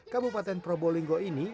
kabupaten probolinggo ini